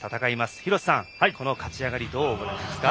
廣瀬さん、この勝ち上がりどうご覧になりますか？